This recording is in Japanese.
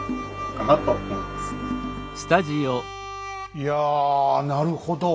いやなるほど。